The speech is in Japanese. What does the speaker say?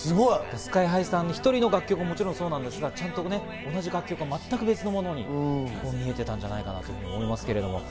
ＳＫＹ−ＨＩさん１人の楽曲ももちろんそうなんですが、まったく別の楽曲になっていたんじゃないかと思いますけど。